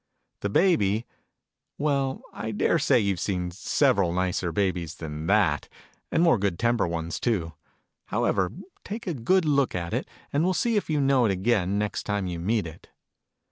The Baby well, I daresay you've seen several nicer babies than that : and more good tempered ones, too. However, take a good look at it, and we'll see if you know it again, next time you meet it